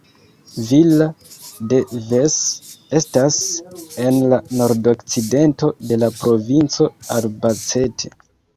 Villa de Ves estas en la nordokcidento de la provinco Albacete.